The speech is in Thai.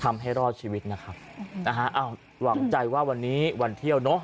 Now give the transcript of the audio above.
ทำให้รอดชีวิตนะครับนะฮะอ้าวหวังใจว่าวันนี้วันเที่ยวเนอะ